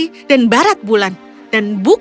kau hanya mencapai kastil di timur matahari dan barat bulan